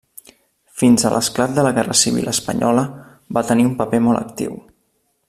Fins a l'esclat de la guerra civil espanyola, va tenir un paper molt actiu.